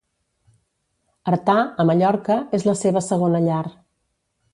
Artà, a Mallorca, és la seva segona llar.